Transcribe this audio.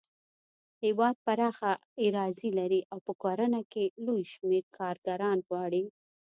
هېواد پراخه اراضي لري او په کرنه کې لوی شمېر کارګران غواړي.